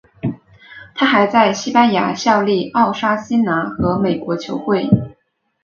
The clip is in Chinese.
他还在西班牙效力奥沙辛拿和美国球会。